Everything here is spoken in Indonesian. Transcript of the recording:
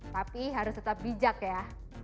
tapi harus tetap bijak ya